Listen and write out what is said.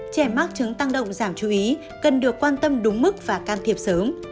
trẻ mắc chứng tăng động giảm chú ý cần được quan tâm đúng mức và can thiệp sớm